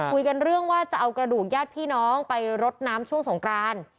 คุยกันเรื่องว่าจะเอากระดูกญาติพี่น้องไปรดน้ำช่วงสงกราน